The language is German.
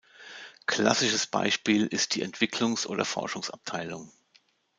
Klassisches Beispiel ist die Entwicklungs- oder Forschungsabteilung.